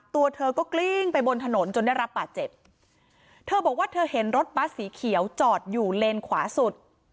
ตัวเธอก็กลิ้งไปบนถนนจนได้รับบาดเจ็บเธอบอกว่าเธอเห็นรถบัสสีเขียวจอดอยู่เลนขวาสุด